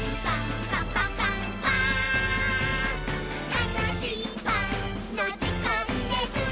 「たのしいパンのじかんです！」